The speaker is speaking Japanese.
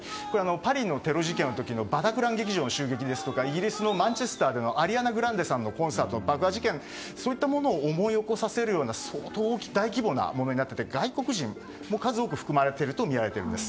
パリのテロ事件の時の劇場の襲撃やイギリスのマンチェスターでのアリアナ・グランデさんの爆破事件を思い起こさせるような大規模なものになって外国人も数多く含まれているとみられています。